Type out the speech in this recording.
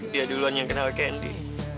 dia duluan yang kenal candy